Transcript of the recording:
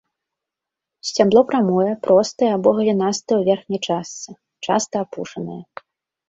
Сцябло прамое, простае або галінастае ў верхняй частцы, часта апушанае.